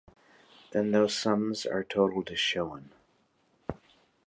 Then those sums are totaled as shown.